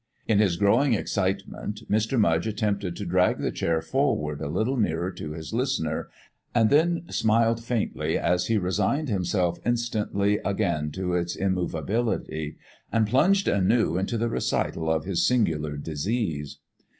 In his growing excitement, Mr. Mudge attempted to drag the chair forward a little nearer to his listener, and then smiled faintly as he resigned himself instantly again to its immovability, and plunged anew into the recital of his singular "disease."